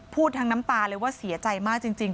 พูดทั้งน้ำตาเลยว่าเสียใจมากจริง